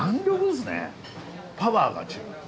パワーが違う。